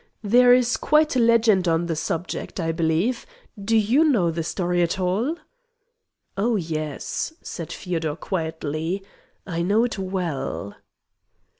There is quite a legend on the subject, I believe. Do you know the story at all?" "Oh yes," said Feodor quietly, "I know it well."